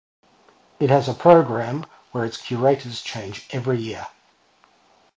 It has a programme where its curators change every year.